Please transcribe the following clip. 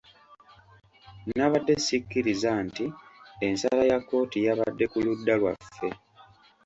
Nabadde sikkiriza nti ensala ya kkooti yabadde ku ludda lwaffe.